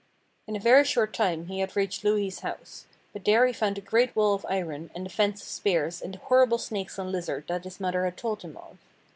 In a very short time he had reached Louhi's house. But there he found the great wall of iron and the fence of spears and the horrible snakes and lizards that his mother had told him of.